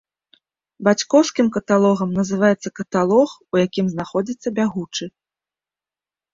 Бацькоўскім каталогам называецца каталог, у якім знаходзіцца бягучы.